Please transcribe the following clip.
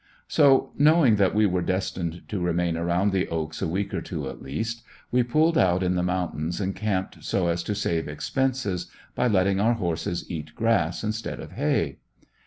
So, knowing that we were destined to remain around the "Oaks" a week or two at least, we pulled out in the mountains and camped, so as to save expenses by letting our horses eat grass instead of hay.